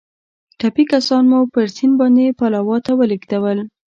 ټپي کسان مو پر سیند باندې پلاوا ته ولېږدول.